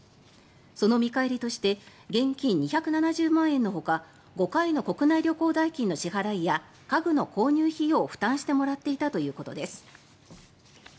その見返りとして現金２７０万円のほか５回の国内旅行代金の支払いや家具の購入費用を負担してもらっていたということです。